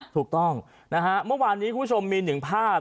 ถูกต้องนะฮะเมื่อวานนี้คุณผู้ชมมีหนึ่งภาพ